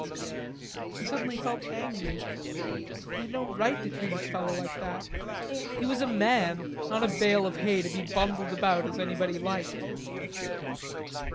He suddenly felt angry. They had no right to treat a feller like that. He was a man, not a bale of hay to be bundled about as anybody liked.